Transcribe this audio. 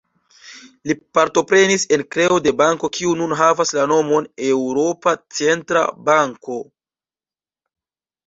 Li partoprenis en kreo de banko, kiu nun havas la nomon Eŭropa Centra Banko.